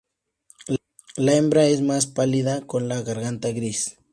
La hembra es más pálida, con la garganta gris.